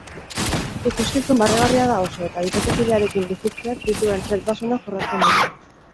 Ikuskizun barregarria da oso, eta bikotekidearekin bizitzeak dituen zailtasunak jorratzen ditu.